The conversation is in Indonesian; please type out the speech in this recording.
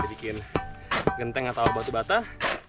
dibikin genteng atau batu batah